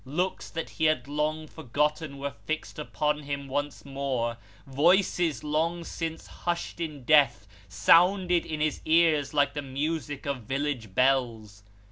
Looks that he had long for gotten were fixed upon him once more ; voices long since hushed in death sounded in his ears like the music of village bells.